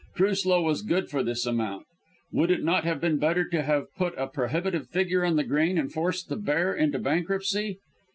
Truslow was good for this amount. Would it not have been better to have put a prohibitive figure on the grain and forced the Bear into bankruptcy?